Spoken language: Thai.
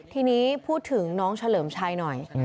ทีนี้พูดถึงน้องเฉลิมชัยหน่อย